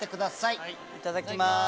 いただきます！